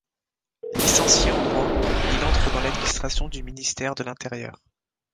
Licencié en droit, il entre dans l'administration du ministère de l'Intérieur.